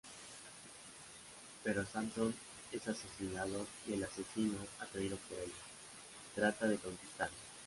Pero Samson es asesinado, y el asesino, atraído por ella, trata de conquistarla.